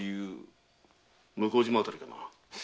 向島あたりかな？